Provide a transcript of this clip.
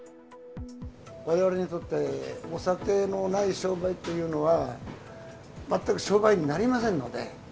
われわれにとってお酒のない商売っていうのは、全く商売になりませんので。